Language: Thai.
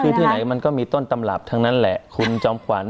คือที่ไหนมันก็มีต้นตำรับทั้งนั้นแหละคุณจอมขวัญ